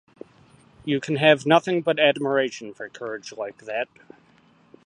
You can have nothing but admiration for courage like that.